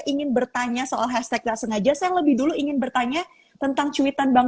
ingin bertanya soal hashtag tidak sengaja saya lebih dulu ingin bertanya tentang cuitan bang